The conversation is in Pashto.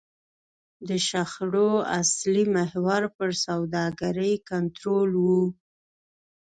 د شخړو اصلي محور پر سوداګرۍ کنټرول و.